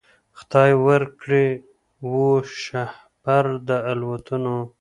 خدای ورکړی وو شهپر د الوتلو